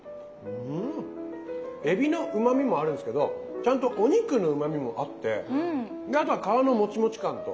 えびのうまみもあるんですけどちゃんとお肉のうまみもあってあとは皮のもちもち感と。